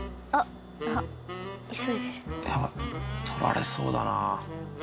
取られそうだな。